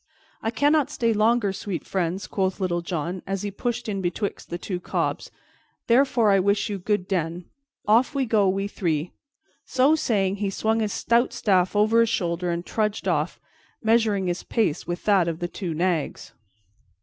"I cannot stay longer, sweet friends," quoth Little John, as he pushed in betwixt the two cobs, "therefore I wish you good den. Off we go, we three." So saying, he swung his stout staff over his shoulder and trudged off, measuring his pace with that of the two nags.